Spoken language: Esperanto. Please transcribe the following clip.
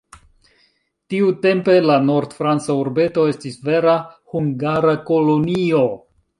Tiutempe la nord-franca urbeto estis vera hungara kolonio.